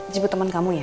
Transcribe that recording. jebuk teman kamu ya